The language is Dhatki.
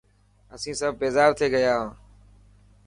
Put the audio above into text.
اسين سب بيزار ٿي گيا هان.